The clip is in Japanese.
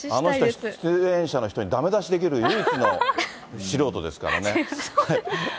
あの人は出演者の人にだめ出しできる唯一の素人ですからね。